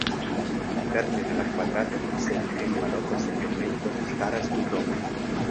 Interne de la kvadrato, sed en la loko sen tegmento, staras du domoj.